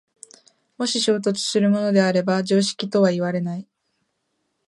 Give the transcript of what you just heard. もし衝突するものであれば常識とはいわれない。